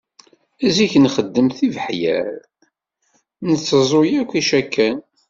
Zik nxeddem tibeḥyar, nteẓẓu yakk icakan.